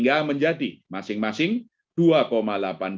telah menurun masing masing sebesar lima puluh lima basis point